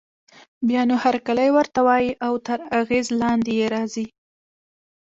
بيا نو هرکلی ورته وايي او تر اغېز لاندې يې راځي.